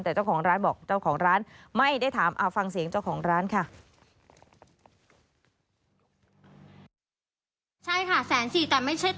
แต่เจ้าของร้านบอกเจ้าของร้านไม่ได้ถามเอาฟังเสียงเจ้าของร้านค่ะ